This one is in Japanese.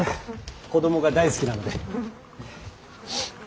子供が大好きなので。